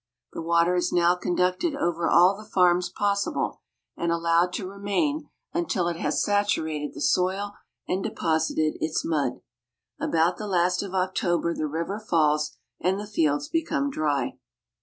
The water is now conducted illage. over all the farms possible, and allowed to remain until it has saturated the soil and deposited its mud. About the last of October the river falls and the fields become dry.